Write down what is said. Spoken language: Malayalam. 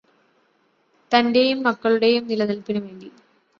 തന്റേയും മക്കളുടേയും നിലനില്പ്പിനു വേണ്ടി